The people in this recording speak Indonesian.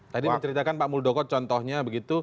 tadi diceritakan pak muldoko contohnya begitu